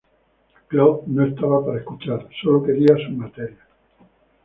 Cloud no estaba para escuchar, solo quería sus materias.